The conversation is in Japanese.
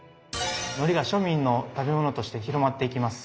のりが庶民の食べ物として広まっていきます。